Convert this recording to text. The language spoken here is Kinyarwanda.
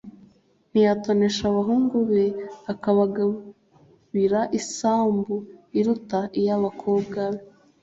ntiyatonesha abahungu be akabagabira isambu iruta iy'abakobwa be